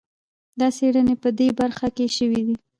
دا څېړنې په دې برخه کې شوي دي.